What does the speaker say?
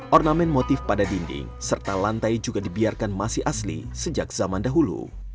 ornamen motif pada dinding serta lantai juga dibiarkan masih asli sejak zaman dahulu